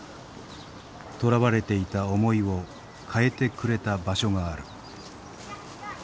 とらわれていた思いを変えてくれた場所がある。